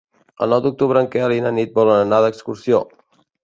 El nou d'octubre en Quel i na Nit volen anar d'excursió.